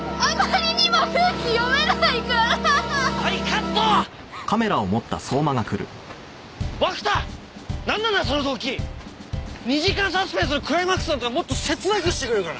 ２時間サスペンスのクライマックスなんだからもっと切なくしてくれるかな？